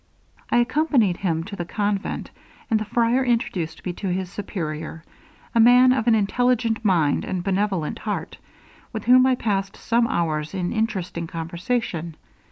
I accompanied him to the convent, and the friar introduced me to his superior, a man of an intelligent mind and benevolent heart, with whom I passed some hours in interesting conversation.